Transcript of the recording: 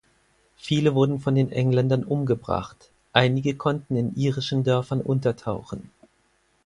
Viele wurden von den Engländern umgebracht, einige konnten in irischen Dörfern untertauchen.